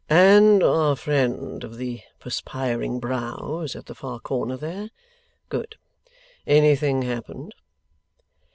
'And our friend of the perspiring brow is at the far corner there? Good. Anything happened?